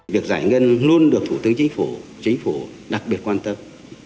việc giải ngân luôn được thủ tướng chính phủ đặc biệt quan tâm